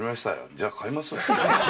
じゃあ買いますわ。